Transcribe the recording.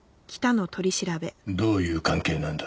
どういう関係なんだ？